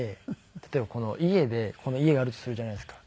例えば家で家があるとするじゃないですか。